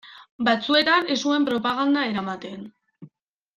Batzuetan ez zuen propaganda eramaten.